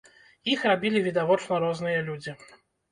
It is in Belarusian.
Іх рабілі відавочна розныя людзі.